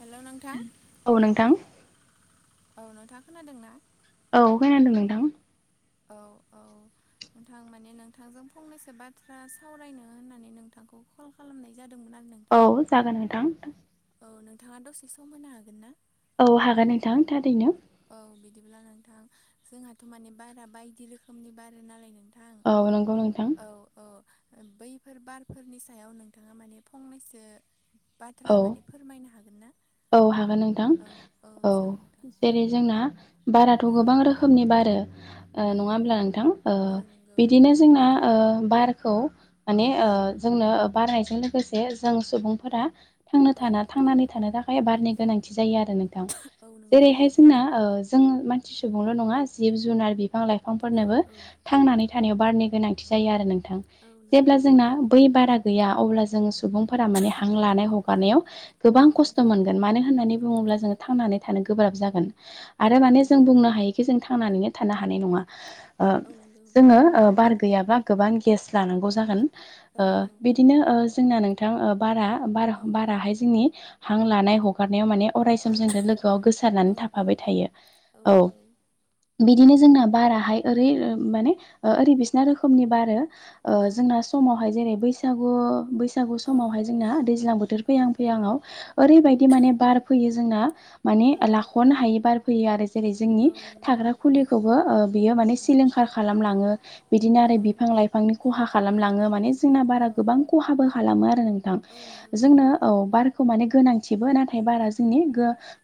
हेल' नोंथां औ नोंथां औ नोंथाङा खोनादोंना? औ खोनादों नोंथां औ औ नोंथां माने नोंथांजों फंनैसो बाथ्रा सावरायनो होननानै नोंथांखौ कल खालामनाय जादोंमोन आं नों औ जागोन नोंथां औ नोंथाङा दसे सम होनो हागोन ना? औ हागोन नोंथां थारैनो औ बिदिब्ला नोंथां जोंहाथ' माने बारा बायदि रोखोमनि बार नालाय नोंथां औ नंगौ नोंथां थां औ औ बैफोर बारफोरनि सायाव नोंथाङा माने फंनैसो बाथ्रा औ माने फोरमायनो हागोन ना? औ हागोन नोंथां औ औ जागोन नोंथां जेरै जोंना बाराथ' औ गोबां रोखोमनि बारो ओ औ नङा होमब्ला नोंथां औ नंगौ ओ‌बिदिनो जोंनाओ बारखौ माने औ ओ जोंनो बारनायजों लोगोसे जों सुबुंफोरा थांना औ थाना थांनानै थानो थाखाय बारनि गोनांथि जायो आरो नोंथां औ नंगौ जेरैहाय जोंना जोङो मानसि सुबुंल' नङा जिब जुनार बिफां औ लाइफांफोरनोबो औ थांनानै थानायाव बारनि गोनांथि जायो आरो नोंथां औ नंगौ जेब्ला जोंना नोंथां बै बारा गैया अब्ला जों सुबुंफोरा माने हां लानाय हग औ गोबां खसथ मोनगोन मानो होननानै औ बुङोब्ला जो थांनानै थानो गोब्राब जागोन आरो औ माने जों नंगौ बुंनो हायोखि जों थांनानैनो थानो हानाय नङा ओ औ नंगौ जोङोओ बार गैयाब्ला गोबां गेस लानांगौ जागोन औ ओ बि बिदिनो जोंना नोंथां बाराार औ बाराहाय जोंनि हां लानाय हगारनायाव माने अरायसम जोंनो लोगोआव गोसारनानै औ थाफाबाय थायो औ बिदिनो जोंना बाराहाय ओरै माने ओरै बिसना रोखोमनि बारो औ जोंना समावहाय जेरै बैसागु बैसागु औ समावहाय जोंना दैज्लां बोथोर औ फैहां फैहां आव ओरैबायदि माने बार फैयो जोंना माने लाख'नो हायो बार फैयो आरो जेरै जोंनि औ नंगौ थाग्रा खुलिखौबो बियो माने औ सिलिंखार खालामलाङो बिदिनो औ आरो बिफां लाइफांनि खहा खालामलाङो माने जोंना बारा औ गोबां खहाबो खालामो आरो नोंथां औ नंगौ जोंनो नंगौ औ बार माने गोनांथिबो नाथाय बारा जोंनि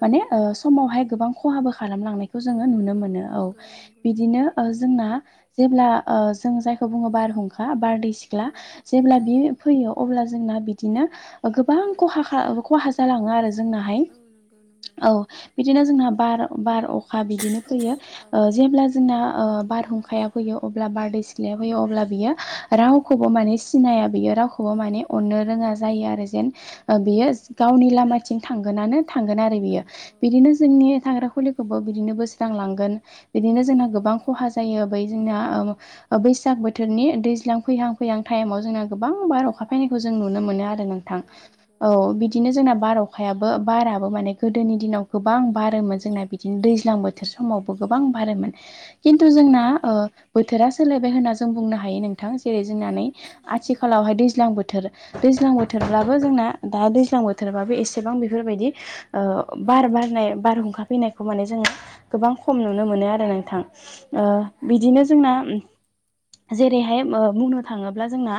औ माने समावहाय गोबां खहाबो खालामलांनाय खौ औ जोंङो नुनो नंगौ मोनो औ नंगौ नंगौ नोंथां बिदिनो जोंना जेब्ला जों जायखौ बुंङो बारहुंखा बारदै सिख्ला औ जेब्ला बि फैयो अब्ला जोंना बिदिनो औ गोबां खहा खहा जालांङो आरो जोंनाहाय औ नंगौ नंगौ औ बिदिनो जोंना बार बार अखा बिदिनो औ फैयोओ जेब्ला जो जोंना बारहुंखाया फैयो अब्ला बारदै सि्लाया फैयो अब्ला बियो औ रावखौबो माने सिनाया बियो रावखौबो औ माने नंगौ अननो औ रोङा जायो आरो औ यो गावनि लामाथिं थांगोनानो थांगोन आरो औ बियो बिदिनो जोंनि थाग्रा खुलिखौबो बिदिनो बोस्रांलांगोन बिदिनो जोंहा औ गोबां खहा जायो बै जोंना बैसाग बोथोरनि दैज्लां फैहां टाइ गोबां बार अखा फैनायखौ जों नुनो मोनो आरो नोंथां औ नंगौ औ नंगौ बिदिनो जोंना बार अखायाबो बाराबो माने गोदोनि दिनाव गोबां बारोमोन औ जोंना बिदिनो दै दैज्लां बोथोर समावबो गोबां बारोमोन औ खिन्थु जोंना नंगौ बोथोरा सोलायबाय होनना जों बुंनो हायो नोंथां जेरै जोंनानै नोंथां आथिखालावहाय दैज्लां बोथोर दैज्लां औ बोथोरब्लाबो जोंना दा दैज्लां बोथोरबाबो एसेबां बेफोरबायदि ओ औ बार बारनाय बारहुंखा फैनायखौ माने जों गोबां खम नुनो औ मोनो आरो नोंथां औ ओ नंगौ बिदिनो जोंना जेरैहाय मनो थांङोब्ला जोंना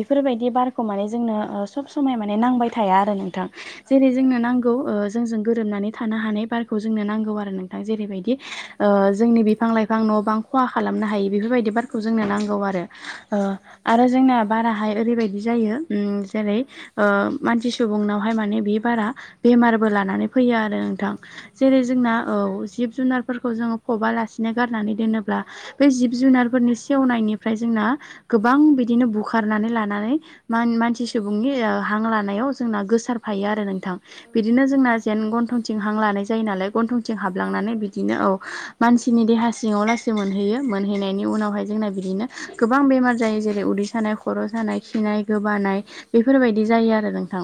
औ बारखौ माने जोंनो सब समाय माने नांबाय थाया आरो नोंथां औ जेरै नंगौ जोंनो नांगौ जोंजों गोरोबनानै थानो हानाय बारखौ नांगौ आरो नोंथां जेरै बायदि औ नंगौ जोंजों गोरोब गोबां न' बां खहा खालामनो हायो बेफोरबायदि बारखौ जोंनो नांगौ आरो औ नंगौ आरो जोंना बाराहाय ओरैबायदि जायो उम जेरै औ ओ मानसि सुबुंनावहाय माने बे बारा बेमारबो लानानै फैयो आरो नोंथां औ औ जेरै नंगौ जोंना नंगौ औ जिब जुनारफोरखौ जोंङो फबालासिनो गारनानै दोनोब्ला बे जिब जुनारफोरनि सेवनायनिफ्राय जोंना औ गोबां बिदिनो बुखारनानै लानानै मानसि सुबुं हां लानायाव जोंना गोसार बायो आरो नोंथां औ बिदिनो नंगौ नोंथां जों हां लानाय जायो नालाय गन्थं थं औ हाबलांनानै बिदिनो औ मानसिनि देहा सिङाव लासै मोनहैयो मोनहैनायनि औ उनावहाय नंगौ जोंना बिदिनो गोबां बेमार जायो जेरै उदै सानाय औ खर' औ सानाय खिनाय औ गोबानाय नंगौ बेफोरबायदि जायो आरो नोंथां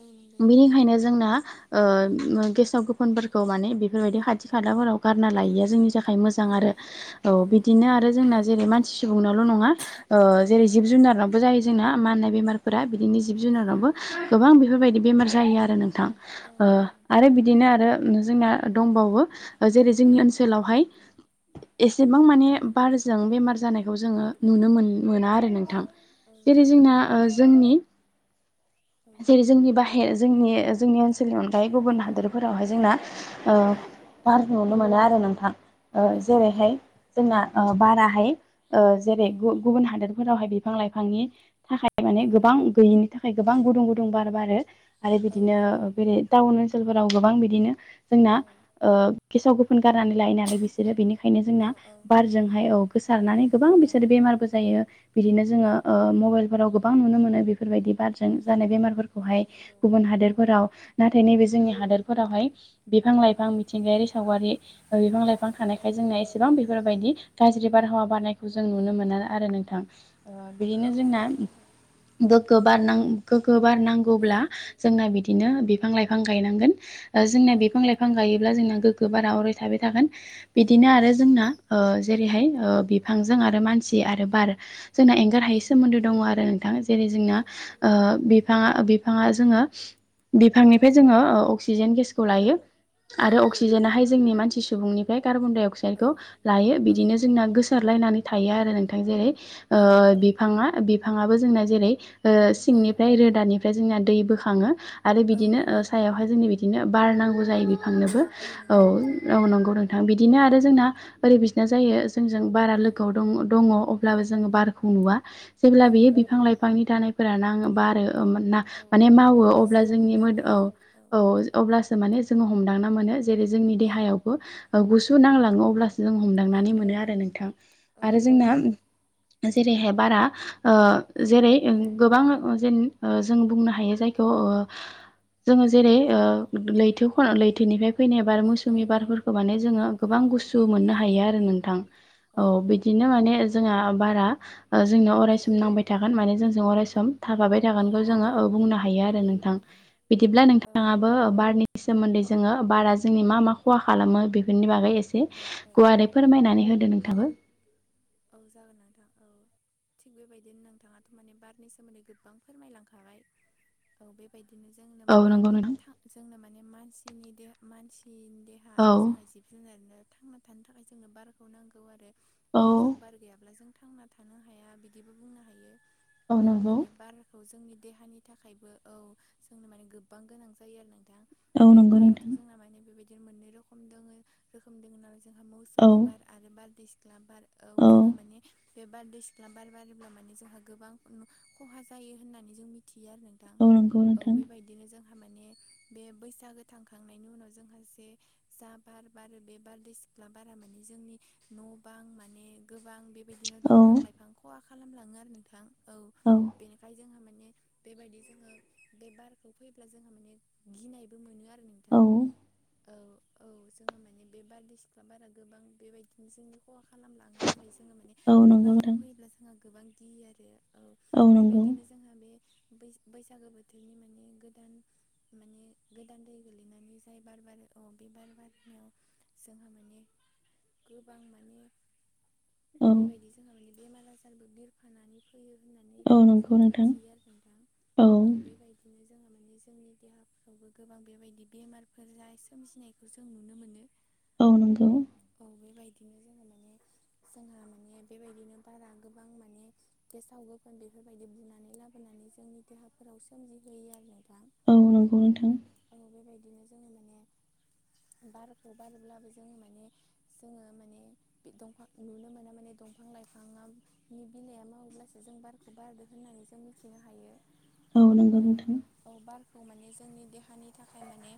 औ नंगौ बेनिखायनो जोंना गेसाव गोफोनफोरखौ माने बेफोरबायदि खाथि खालाफोराव गारना लायिया जोंनि थाखाय औ मोजां आरो औ बिदिनो आरो जोंना जेरै मानसि सुबुंनाल' नंङा औ जेरै जिब जुनारनावबो जायो जोंना मा होननाय बेमार फोर बिदिनो जिब औ जुनारावबो गोबां बेफोरबायदि बेमार जाहायो आरो नोंथां नंगौ आरो बिदिनो आरो जोंना दंबावो जेरै जोंनि ओनसोलावहाय एसेबां माने बारजों बेमार जानायखौ जोङो नुनो मोन मोना आरो नों औ औ जेरै जोंना जोंनि जेरै जोंनि बाहेर जोंनि जोंनि ओनसोलनि अनगायै गुबुन हादोरफोरावहाय जोंना औ बार नुनो मोनो आरो नोंथां औ नंगौ औ नंगौ औ नंगौ जेरैहाय जोंना बाराहाय जेरै नंगौ गुबुन हादोरफोरावहाय बिफां लाइफांनि थाखाय माने गोबां गैयिनि थाखाय गोबां गुदुं गुदुं बार बारो आरो बिदिनो बेरे टाउन ओनसोलफोराव गोबां बिदिनो जोंना औ गेसाव फुनगारनानै लायो नालाय बिसोरो बेनिखायनो औ जोंना बारजोंहाय औ गोसारनानै गोबां बिसोरो बेमारबो जायो बिदिनो जोङो ओ मबाइल फोराव गोबां नुनो मोनो बेफोरबायदि बारजों जानाय बेमारफोरखौ हाय गुबुन हादोरफोराव नाथाय नैबे जोंनि हादोरफोरावहाय बिफां लाइफां मिथिंगायारि सावगारि ओ बिफां लाइफां थानायखाय औ जोंना नंगौ एसेबां बेफोरबायदि गाज्रि बारहावा औ बारनाय खौ जों नुनो मोना आरो नोंथां ओ औ बिदिनो जोंना नंगौ नोंथां गोग्गो बार नां गोग्गो बार नांगौब्ला जोंना बिदिनो बिफां लाइफां गायनांगोन ओ जोंना औ बिफां लाइफां गायोब्ला जोंना गोग्गो बारा अराय थाबाय थागोन औ बिदिनो नंगौ आरो जोंना ओ जेरैहाय ओ औ बिफांजों आरो मानसि आरो बार जोंना औ गाहायै सोमोन्दो दङ आरो नोंथां जेरै औ जोंना नंगौ ओ बिफाङा बिफाङा जोङो बिफांनिफ्राय जोङो ओ अक्सिजेन गेसखौ लायो औ आरो औ अक्सिजेनहाय जोंनि मानसि सुबुंनिफ्राय कार्बन डाइ औ अक्साइदखौ लायो औ बिदिनो जोंना गोसो सारलायनानै थायो आरो नोंथां जेरै ओ औ नंगौ बिफाङा बिफांआबो जोंना जेरै ओ औ सिंनिफ्राय रोदानिफ्राय जोंना दै बोखाङो आरो औ बिदिनो नंगौ सायाव जोंनो बिदिनो बारनांगौ जायो बिफांनोबो औ नंगौ नंगौ नंगौ बिदिनो आरो जोंना ओरै बिसना जायो जों जों बारआ औ लोगोआव दङ औ अब्लाबो जोङो बारा नुवा जेब्ला औ बियो बिफां नंगौ लाइफांनि थानायफोरा नाङो बारो औ नुनो मोना औ माने औ मावो अब्लासो अब्ला जों जोंनि हमदां मोदोम हायो औ आरो औ अब्लासो माने जोङो हमदांना मोनो जेरै जोंनि औ देहायावबो ओ गुसु नांलाङो अब्लासो जों औ हमदांनानै मोनो आरो नोंथां औ आरो जोंना नंगौ जेरैहाय बारा ओ औ जेरै गोबां जेन ओ जों बुंनो हायो जायखौ ओ जोङो जेरै ओ लैथो लैथोनिफ्राय फैनाय बार औ औ मौसुमि बारफोरखौ माने औ जोङो गोबां गुसु मोननो हायो आरो नोंथां औ बि दिनो माने जोंहा बारा ओ जोंनियाव अरायसम नांबाय थागोन माने जोंजों अरायसम थाफाबाय औ थागोनखौ जोङो नंगौ बुंनो हायो आरो नोंथां बिदिब्ला औ नोंथाङाबो बारनि सोमोन्दै जोङो बारा जोंनि मा मा खहा खालामो बेफोरनि बागै एसे औ औ गुवारै फोरमायनानै होदो नोंथांआबो औ जागोन नोंथां औ थिग बेबायदिनो नोंथाङाथ' माने बारनि सोमोन्दै गोबां फोरमायलांखाबाय औ बेबायदिनो जोंनो औ माने नंगौ नोंथां जोंनो माने मानसिनि दे मानसिनि दे हा औ आरो जोंहा जिब जुनारनो थांना थानो थाखाय जोंनो बारखौ नांगौ आरो औ जों बार गैयाब्ला जों थांना थानो हाया बिदिबो बुंनो हायो औ माने बार खौ जोंनि देहानि थाखायबो औ जोंनो माने गोबां गोनां जायो आरो नोंथां औ नंगौ बाराथ' नोंथां जोंना मानि बेबादिनो मोननै रोखोम दङ रोखोम दङ नालाय जोंहा औ मौसुमि बार आरो बारदै सिख्ला बार औ जोंहा माने बे बारदै सिख्ला बार बारोब्ला माने जोंहा गोबां ओ खहा जायो होननानै जों मिथियो आरो दा औ नंगौ औ नोंथां बेबायदिनो जोंहा माने बे बैसागो थांखांनायनि उनाव जोंहा जे जा बार बारो बे बारदै सिख्ला बारा माने जोंनि ओ न' बां मा ने गोबां बेबायदिनो औ दंफां लाइफां खहा खालामलाङो आरो नोंथां औ बेनिखाय जोंहा माने बेबायदि जोङो बे बारखौ फैब्ला जोंहा माने गिनायबो मोनो आरो औ नोंथां औ औ जोंहा माने बे बारदै सिख्ला बारा गोबां बेबादिनो जोंनि खहा खालामलाङो नालाय जोङो माने ओ औ बे नंगौ बारखौ नोंथां फैयोब्ला जोंहा गोबां गियो आरो औ बेबायदिनो जोंहा बे बैसागो बोथोरनि माने गोदान माने गोदान दै गोलैनानै जाय बार बार ओ बे बार बारनायाव जोंहा माने गोबां माने औ बेबादि जोंहा माने बेमार आजारबो बिर फानानै फैयो होननानै औ नंगौ जोङो नोंथां मिथियो आरो नोंथां औ बेबायदि बिदिनो जोंओ माने जोंनि देहाफ्रावबो गोबां बेबादि बेमारफोर जा सोमजिनायखौ जों नुनो मोनो औ नंगौ औ बेबायदिनो जोङो माने जोंहा माने बेबायदिनो बारा गोबां माने गेसाव गोफोन बेफोरबादि बुनानै लाबोनानै जोंनि देहाफोराव सोमजिहोयो आरो नोंथां औ नोंगौ नोंथां औ बेबायदिनो जों माने बारखौ बारोब्लाबो जोङो माने जोङो माने बि दंफां नुनो मोनो माने दंफां लाइफांआ नि बिलाइआ मावोब्लासो जों बारखौ बारदो होननानै जों मिथिनो हायो औ नोंगौ नोंथां औ बारखौ माने जोंनि देहानि थाखाय माने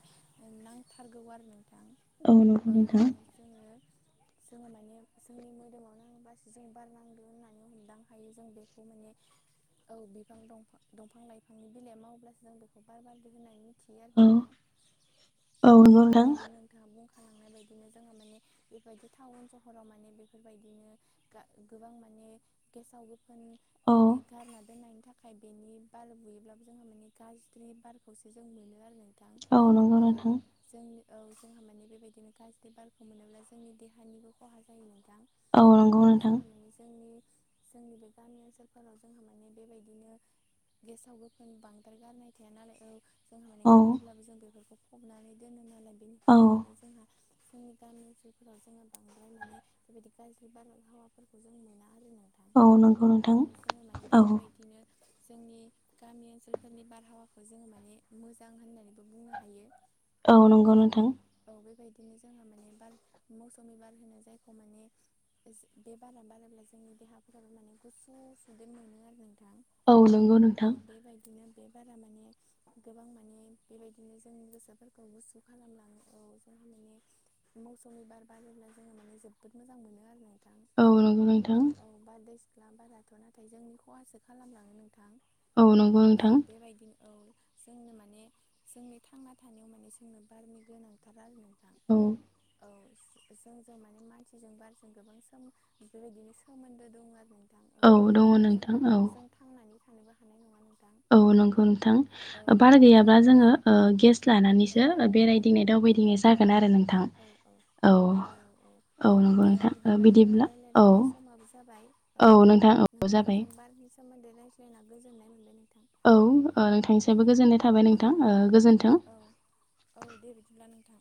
नांथारगौ आरो नोंथां नंगौ औ नोंथां माने जोङो जोङो माने जोंनि मोदोमाव नांबासो जों बारनांदो होननानै हमदां हायो जों बेखौ माने औ बिफां दंफां लाइफांनि बिलाइ मावोब्लासो जों बेखौ बार बारदों होनाय मोन थिओ आरो औ नोंथां औ औ नंगौ नोंथां बेबायदिनो नोंथांआ बुंखालांनाय बायदिनो जोङो माने बेबायदि थाउन सहर हराव माने बेफोरबायदिनो गा गोबां माने गेसाव गोफो जोंनि औ माने गारना दोननायनि थाखाय आखाय बेनि बार बुयोब्लाबो जोङो माने गाज्रि बारखौसो जों मोनो आरो नोंथां औ नंगौ नोंथां औ जों औ जोंहा माने बेबायदिनो गाज्रि बारखौ मोनोब्ला जोंनि देहानिबो खहा जायो नोंथां नंगौ औ नोंथां जोंहा माने जोंनि जोंनि बे गामि ओनसोलफोराव जोंहा माने बेबायदिनो हो गेसाव गोफोन बांद्रार गारनाय थाया नालाय ओ जोंहा माने औ गारोब्लाबो जों बेफोरखौ फबनानै दोनो नालाय औ बेनिखायनो माने जोंहा जोंनि गामि ओनसोलफोराव जोङो बांद्राय माने बेबायदि गाज्रि बारहावाफोरखौ जों मोना आरो ना उम औ नंगौ नोंथां औ जोङो माने औ बेफोरबायदिनो जोंनि गामि ओनसोलफोरनि बारहावाखौ जोङो माने मोजां होननानैबो बुंनो हायो नंगौ औ नोंथां औ बेबायदिनो जोङो माने बार मौ मौसुमि बार होनो जायखौ माने जि बे बारा बारोब्ला जोंनि देहाफोराबो माने गुसु सुदेम मोनो आरो नोंथां औ नंगौ औ नोंथां बेबायदिनो बे बारा माने गोबां माने बेबायदिनो जोंनि गोसोफोरखौ गुसु खालामलाङो औ जोंहा माने मौसुमि बार बारोब्ला जोङो माने जोबोद मोजां मोनो आरो नोंथां औ नंगौ नोंथां औ औ बारदै सिख्ला बाराथ' नाथाय जोंनि खहासो खालामलाङो नोंथां। औ नंगौ औ नोंथां बेबायदिनो औ। जोंनो माने जोंनि थांना थानायाव माने जोंनो बारनि गोनांथार आरो नोंथां। औ। औ। जोंजों माने मानसिजों बारजों गोबां सोम बेबायदिनो सोमोन्दो दं आरो। थां औ बार दङ गैयाब्ला नोंथां जोंबो औ जों थांनानै थानोबो हा औ नंगौ नोंथां। औ बारा औ गैयाबा जोङो नोंथां ओ गेस औ लानानैसो बेरायदिंनाय औ दावबायदिंनाय जागोन आरो नोंथां। औ औ। औ औ औ नोंथां बिदिब्ला जोंना रायलाय रायलाय समाबो जाबाय औ। नोंथां औ जाबाय नोंथांजों बारनि सोमोन्दै रायज्लायना गोजोननाय मोनबाय नोंथां। औ नोंथांनिसायबो औ गोजोननाय थाबाय नोंथां ओ गोजोन्थों। औ औ दे बिदिब्ला नोंथां।